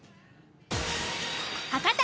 博多